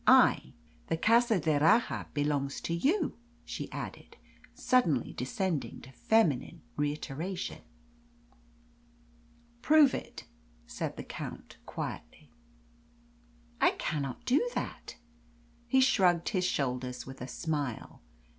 I the Casa d'Erraha belongs to you!" she added, suddenly descending to feminine reiteration. "Prove it," said the Count quietly. "I cannot do that." He shrugged his shoulders with a smile.